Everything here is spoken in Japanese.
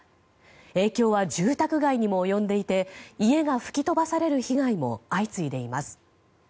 影響は住宅街にも及んでいて家が吹き飛ばされる被害も相次いでいます。